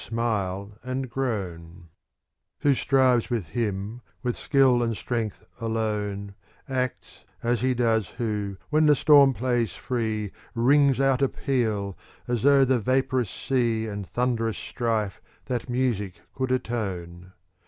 94 CANZONIERE Who strives with him, with skill and strength alone, ^ Acts as he does who, when the storm plays free. Rings out a peal, as though the vaporous sea And thunderous strife that music could atone.